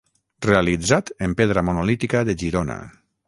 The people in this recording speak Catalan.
Realitzat en pedra monolítica de Girona.